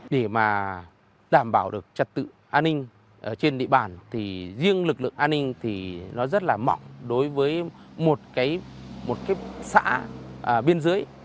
để mà đảm bảo được trật tự an ninh trên địa bàn thì riêng lực lượng an ninh thì nó rất là mỏng đối với một cái xã biên giới